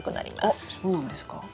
あっそうなんですか？